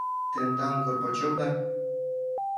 — Тендан Горбачевда.